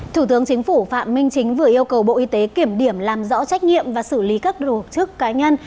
thủ tướng chính phủ phạm minh chính vừa yêu cầu bộ y tế kiểm điểm làm rõ trách nhiệm và xử lý các đồ chức cá nhân